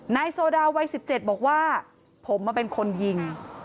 นายโซดาวัย๑๗บอกว่าผมมาเป็นคนยิง